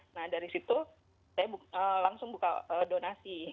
nah dari situ saya langsung buka donasi